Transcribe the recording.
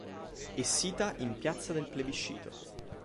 È sita in piazza del plebiscito.